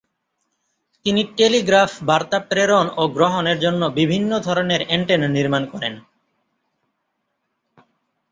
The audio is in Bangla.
তিনি টেলিগ্রাফ বার্তা প্রেরণ ও গ্রহণের জন্য বিভিন্ন ধরনের অ্যান্টেনা নির্মাণ করেন।